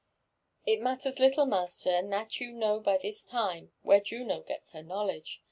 ^' It matters little, master, and that you know by this time, where Juno gets her knowledge.